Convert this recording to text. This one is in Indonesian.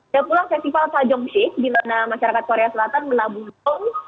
dan pula festival sajong sik di mana masyarakat korea selatan melabung